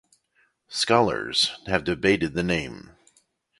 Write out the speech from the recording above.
Scholars have debated the name.